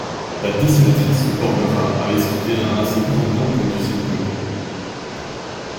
La dessinatrice se bornera à esquiver un assez grand nombre d'usines poilues.